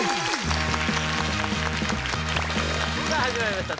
さあ始まりました